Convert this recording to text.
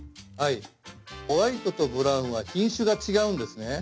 ホワイトとブラウンは品種が違うんですね。